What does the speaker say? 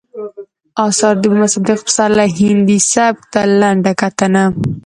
اثار، د محمد صديق پسرلي هندي سبک ته لنډه کتنه